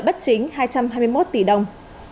bất chính hai trăm hai mươi một tỷ đồng